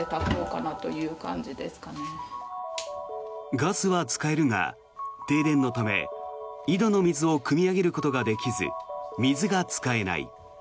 ガスは使えるが停電のため井戸の水をくみ上げることができず水が使えない。